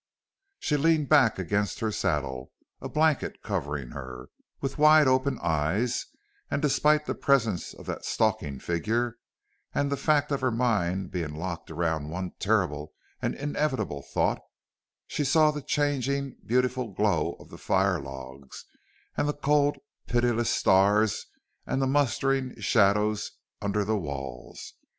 She leaned back against her saddle, a blanket covering her, with wide open eyes, and despite the presence of that stalking figure and the fact of her mind being locked round one terrible and inevitable thought, she saw the changing beautiful glow of the fire logs and the cold, pitiless stars and the mustering shadows under the walls.